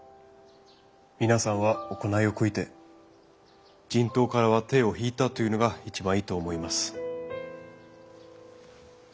皆さんは行いを悔いて人痘からは手を引いたというのが一番いいと思います。